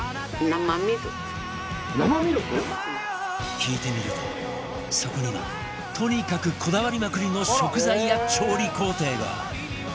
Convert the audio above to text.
聞いてみるとそこにはとにかくこだわりまくりの食材や調理工程が